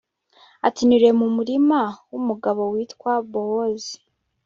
ati niriwe mu murima w'umugabo witwa bowozi